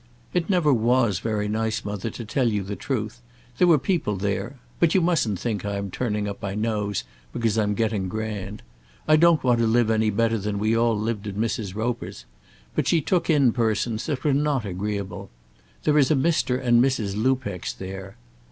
"It never was very nice, mother, to tell you the truth. There were people there . But you mustn't think I am turning up my nose because I'm getting grand. I don't want to live any better than we all lived at Mrs. Roper's; but she took in persons that were not agreeable. There is a Mr. and Mrs. Lupex there."